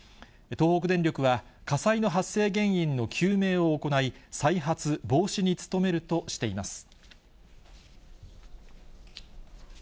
東北電力は、火災の発生原因の究明を行い、再発防止に努めるとしています。